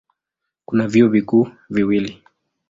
Kuna vyuo vikuu viwili.